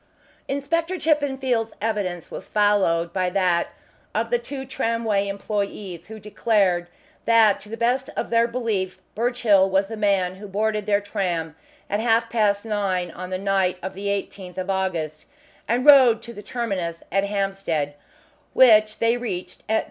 Inspector Chippenfield's evidence was followed by that of the two tramway employees, who declared that to the best of their belief Birchill was the man who boarded their tram at half past nine on the night of the 18th of August, and rode to the terminus at Hampstead, which they reached at 10.